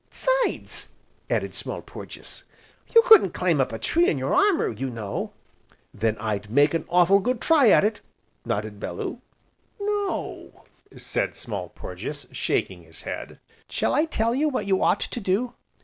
"'Sides," added Small Porges, "you couldn't climb up a tree in your armour, you know." "Then I'd make an awful' good try at it!" nodded Bellew. "No," said Small Porges, shaking his head, "shall I tell you what you ought to do?